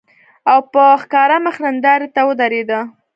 او په ښکاره مخ نندارې ته ودرېده